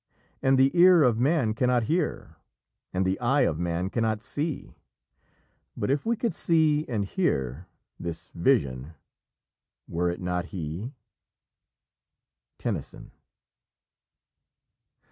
And the ear of man cannot hear, and the eye of man cannot see; But if we could see and hear, this Vision were it not He?" Tennyson.